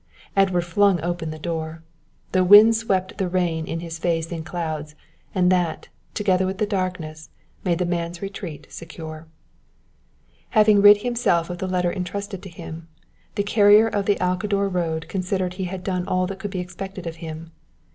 Edward flung open the door. The wind swept the rain in his face in clouds, and that, together with the darkness, made the man's retreat secure. Having rid himself of the letter entrusted to him, the carrier of the Alcador road considered he had done all that could be expected of him.